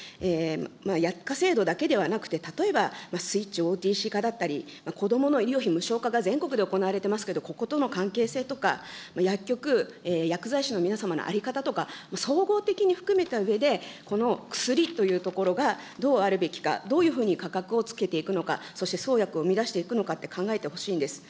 薬価制度だけではなくて、例えばスイッチＯＴＣ化だったり、こどもの医療費無償化が全国で行われてますけど、こことの関係性とか、薬局、薬剤師の皆様の在り方とか、総合的に含めたうえで、この薬というところがどうあるべきか、どういうふうに価格をつけていくのか、そして創薬を生み出していくのかって考えてほしいんです。